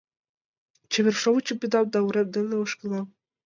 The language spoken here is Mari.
Чевер шовычым пидам да, Урем дене ошкылам.